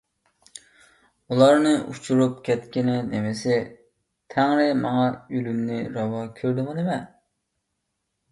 ئۇلارنى ئۇچۇرۇپ كەتكىنى نېمىسى؟ تەڭرى ماڭا ئۆلۈمنى راۋا كۆردىمۇ نېمە؟